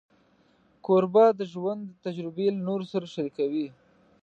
کوربه د ژوند تجربې له نورو سره شریکوي.